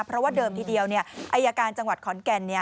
เพราะว่าเดิมทีเดียวอายการจังหวัดขอนแก่น